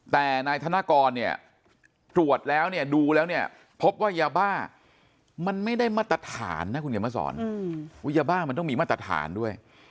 แต่นายธนกรเนี่ยตรวจแล้วเนี่ยดูแล้วเนี่ยพบว่ายาบ้ามันไม่ได้มาตรฐานนะคุณเขียนมาสอนยาบ้ามันต้องมีมาตรฐานด้วย